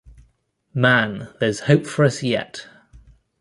Man, there's hope for us yet.